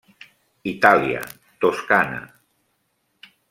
Itàlia, Toscana.